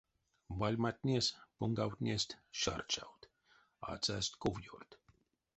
Вальматнес понгавтнесть шаршавт, ацасть ковёрт.